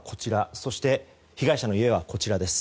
そして被害者の家はこちらです。